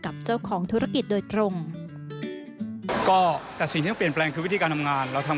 กับเจ้าของธุรกิจโดยตรง